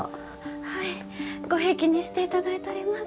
はいごひいきにしていただいとります。